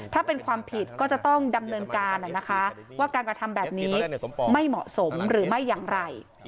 ถ้าเป็นความผิดก็จะต้องดำเนินการว่าการกระทำแบบนี้ไม่เหมาะสมหรือไม่อย่างไร